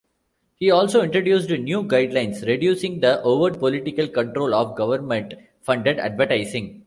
He also introduced new guidelines reducing the overt political control of government funded advertising.